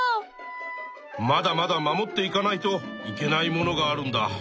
まだまだ守っていかないといけないものがあるんだ。